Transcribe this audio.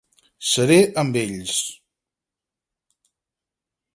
Seré amb ells.